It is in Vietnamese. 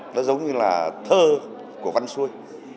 nó giống như là thơ của văn xuôi